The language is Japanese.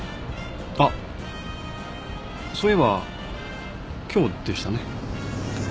あっそういえば今日でしたね。